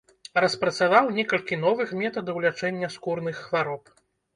Распрацаваў некалькі новых метадаў лячэння скурных хвароб.